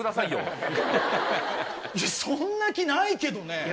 いやそんな気ないけどね。